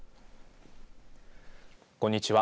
こんにちは。